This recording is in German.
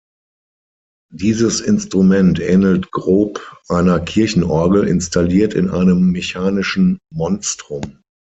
Dieses Instrument ähnelt grob einer Kirchenorgel, installiert in einem mechanischen Monstrum.